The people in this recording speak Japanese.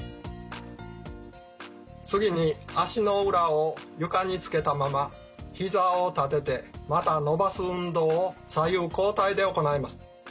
次に足の裏を床につけたままひざを立ててまた伸ばす運動を左右交代で行います。